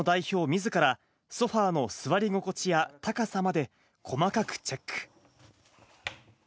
みずから、ソファーの座り心地や、高さまで細かくチェック。